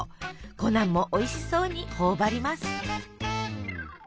コナンもおいしそうに頬張ります。